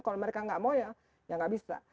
kalau mereka nggak mau ya nggak bisa